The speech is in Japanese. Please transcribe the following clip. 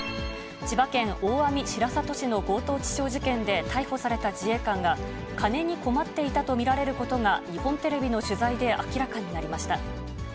千葉県大網白里市の強盗致傷事件で逮捕された自衛官が、金に困っていたと見られることが、日本テレビの取材で明らかになりました。